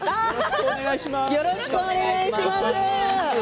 よろしくお願いします。